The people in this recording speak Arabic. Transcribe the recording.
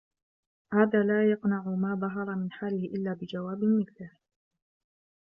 هَذَا لَا يَقْنَعُ مَعَ مَا ظَهَرَ مِنْ حَالِهِ إلَّا بِجَوَابٍ مِثْلِهِ